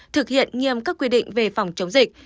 thực hiện nghiêm các quy định về phòng chống dịch